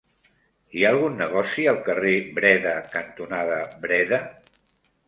Hi ha algun negoci al carrer Breda cantonada Breda?